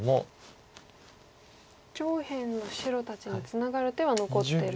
上辺の白たちにツナがる手は残ってる。